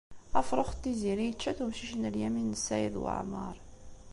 Afrux n Tiziri yečča-t umcic n Lyamin n Saɛid Waɛmeṛ.